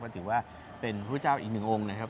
ก็ถือว่าเป็นพระเจ้าอีกหนึ่งองค์นะครับ